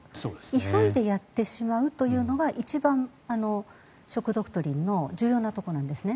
急いでやってしまうというのが一番ショック・ドクトリンの重要なところなんですね。